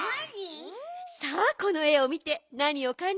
さあこのえをみてなにをかんじたかしら？